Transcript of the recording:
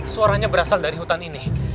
suaranya berasal dari hutan ini